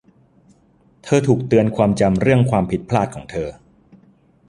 เธอถูกเตือนความจำเรื่องความผิดพลาดของเธอ